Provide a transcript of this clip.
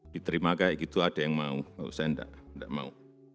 diterima kayak gitu ada yang mau kalau saya enggak enggak mau